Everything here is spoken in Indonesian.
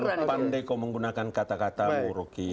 terlalu pandai kau menggunakan kata katamu roky